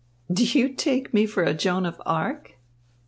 "Do you take me for Joan of Arc?"